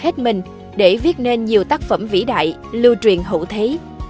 hết mình để viết nên nhiều tác phẩm vĩ đại lưu truyền hữu thế